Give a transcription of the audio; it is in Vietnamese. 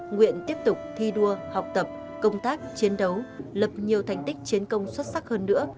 nguyện tiếp tục thi đua học tập công tác chiến đấu lập nhiều thành tích chiến công xuất sắc hơn nữa